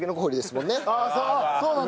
そうなんだ。